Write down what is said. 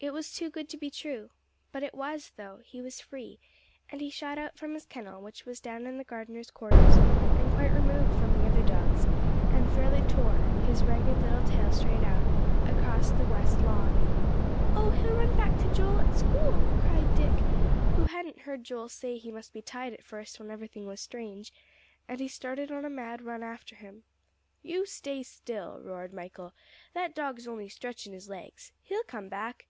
It was too good to be true! But it was, though; he was free, and he shot out from his kennel, which was down in the gardener's quarters, and quite removed from the other dogs, and fairly tore his ragged little tail straight out across the west lawn. "Oh, he'll run back to Joel at school," cried Dick, who had heard Joel say he must be tied at first when everything was strange; and he started on a mad run after him. "You stay still," roared Michael; "that dog is only stretchin' his legs. He'll come back."